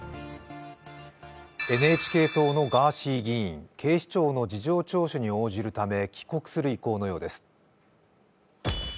ＮＨＫ党のガーシー議員、警視庁の事情聴取に応じるため帰国する意向のようです。